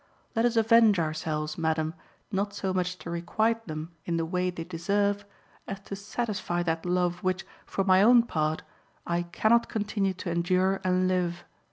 Let us avenge ourselves, madam, not so much to requite them in the way they deserve as to satisfy that love which, for my own part, I cannot continue to endure and live.